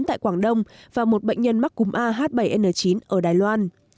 tại quảng đông và một bệnh nhân mắc cúm a h bảy n chín ở đài loan